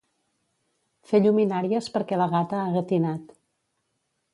Fer lluminàries perquè la gata ha gatinat.